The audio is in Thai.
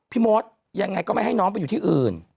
พี่มดยังไงก็ไม่ให้น้องไปอยู่ที่อื่น